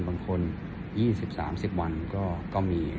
บางคน๒๐๓๐วันก็มี